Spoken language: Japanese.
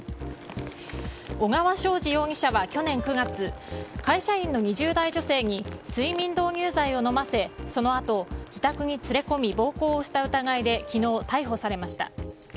小川将司容疑者は去年９月会社員の２０代女性に睡眠導入剤を飲ませそのあと自宅に連れ込み暴行をした疑いで昨日、逮捕されました。